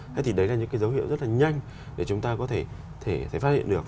thế thì đấy là những cái dấu hiệu rất là nhanh để chúng ta có thể phát hiện được